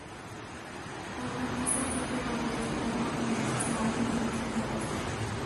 Ahora es el sitio donde esta el monumento de Países No Alineados.